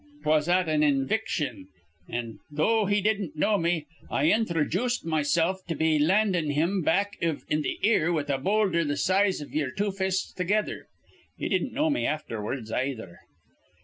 'Twas at an iviction; an', though he didn't know me, I inthrajooced mesilf be landin' him back iv th' ear with a bouldher th' size iv ye'er two fists together. He didn't know me aftherwards, ayether.